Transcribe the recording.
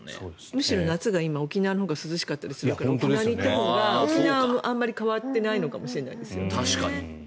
むしろ夏、沖縄のほうが涼しかったりするから沖縄に行ったほうが沖縄はあまり変わっていないのかもしれないですよ。